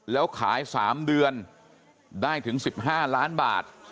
แล้วขาย๓เดือนได้ถึง๑๕ล้านบาท